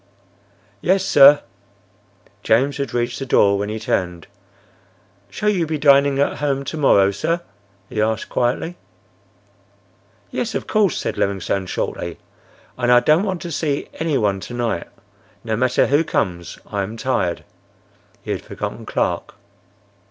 "Yes, sir." James had reached the door when he turned. "Shall you be dining at home to morrow, sir?" he asked, quietly. "Yes, of course," said Livingstone, shortly. "And I don't want to see any one to night, no matter who comes. I am tired." He had forgotten Clark.